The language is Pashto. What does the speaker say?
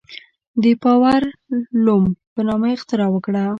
د پاور لوم په نامه اختراع وکړه.